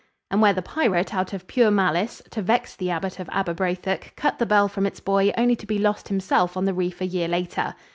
And where the pirate, out of pure malice, "To vex the abbott of Aberbrothok," cut the bell from its buoy only to be lost himself on the reef a year later.